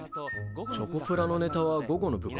チョコプラのネタは午後の部か。